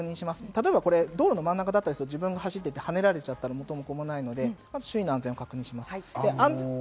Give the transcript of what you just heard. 例えば道路の真ん中だったりすると自分が走ってはねられると元も子もないので安全確認します。